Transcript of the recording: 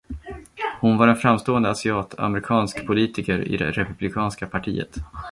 Hon var en framstående asiat-amerikansk politiker i det republikanska partiet.